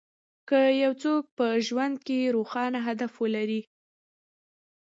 که يو څوک په ژوند کې روښانه هدف ولري.